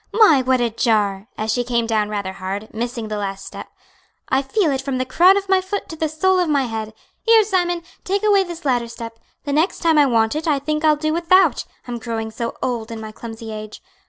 My, what a jar!" as she came down rather hard, missing the last step "I feel it from the crown of my foot to the sole of my head. Here, Simon, take away this ladder step; the next time I want it I think I'll do without; I'm growing so old in my clumsy age.